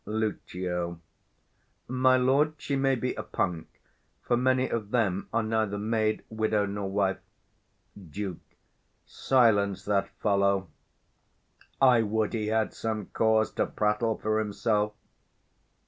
Lucio. My lord, she may be a punk; for many of them are neither maid, widow, nor wife. 180 Duke. Silence that fellow: I would he had some cause To prattle for himself.